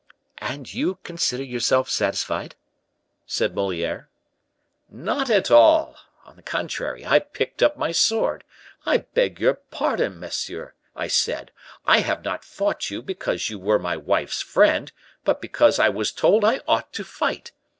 "And you considered yourself satisfied?" said Moliere. "Not at all! on the contrary, I picked up my sword. 'I beg your pardon, monsieur,' I said, 'I have not fought you because you were my wife's friend, but because I was told I ought to fight.